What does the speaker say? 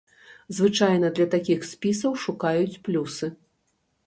Звычайна для такіх спісаў шукаюць плюсы.